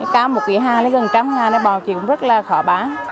cao một ký hàng lấy gần trăm ngàn bò chị cũng rất là khó bán